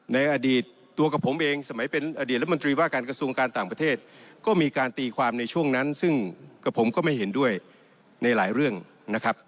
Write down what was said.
ในอดีตตัวกับผมเองสมัยเป็นอดีตรัฐมนตรีว่าการกระทรวงการต่างประเทศก็มีการตีความในช่วงนั้นซึ่งกับผมก็ไม่เห็นด้วยในหลายเรื่องนะครับ